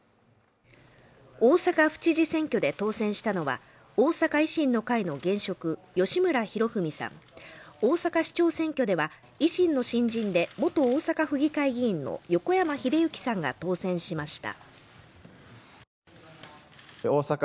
大阪府知事選挙で当選したのは大阪維新の会の現職吉村洋文さん大阪市長選挙では、維新の会新人で元大阪府議会議員の横山英幸さんが当選しました。